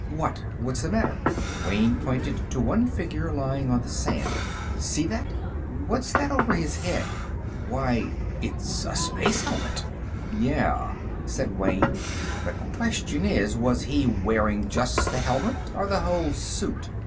"What? What's the matter?" Wayne pointed to one figure lying on the sand. "See that? What's that over his head?" "Why it's a space helmet!" "Yeah," said Wayne. "The question is: was he wearing just the helmet, or the whole suit?